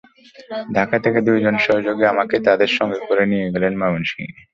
ঢাকা থেকে তাঁর দুজন সহযোগী আমাকে তাঁদের সঙ্গে করে নিয়ে গেলেন ময়মনসিংহে।